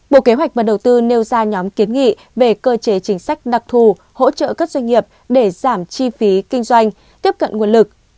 bộ kế hoạch và đầu tư nêu ra nhóm kiến nghị về cơ chế chính sách đặc thù hỗ trợ các doanh nghiệp để giảm chi phí kinh doanh tiếp cận nguồn lực